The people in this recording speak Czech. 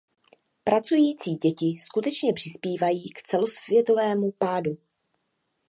Pracující děti skutečně přispívají k celosvětovému pádu.